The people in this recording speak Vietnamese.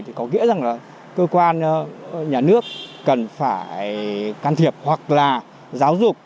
thì có nghĩa rằng là cơ quan nhà nước cần phải can thiệp hoặc là giáo dục